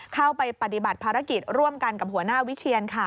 เข้าไปปฏิบัติภารกิจร่วมกันกับหัวหน้าวิเชียนค่ะ